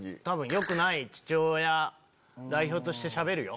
よくない父親代表としてしゃべるよ。